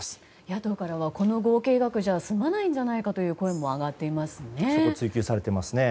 野党からはこの合計額じゃ済まないんじゃないかという声も上がっていますよね。